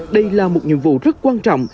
đây là một nhiệm vụ rất quan trọng